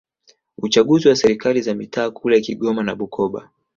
uchaguzi wa serikali za mitaa kule Kigoma na Bukoba